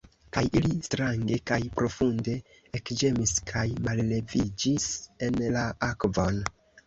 Kaj ili strange kaj profunde ekĝemis kaj malleviĝis en la akvon.